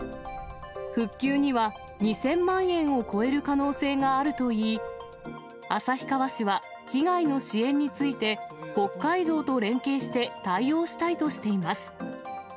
復旧には、２０００万円を超える可能性があるといい、旭川市は被害の支援について、北海道と連携して対応したいとしています。